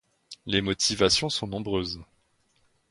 Les motivations sont nombreuses.